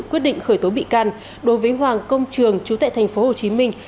quyết định khởi tố bị can đối với hoàng công trường chú tệ thành phố hồ chí minh